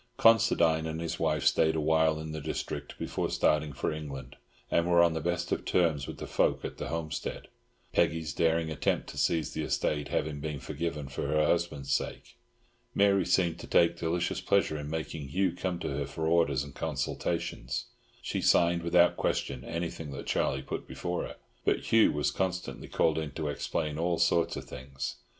Considine and his wife stayed a while in the district before starting for England, and were on the best of terms with the folk at the homestead, Peggy's daring attempt to seize the estate having been forgiven for her husband's sake. Mary seemed to take a delicious pleasure in making Hugh come to her for orders and consultations. She signed without question anything that Charlie put before her, but Hugh was constantly called in to explain all sorts of things.